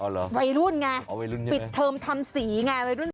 เอาหรอวัยรุ่นไงเอาวัยรุ่นยังไงปิดเทิมทำสีไงวัยรุ่น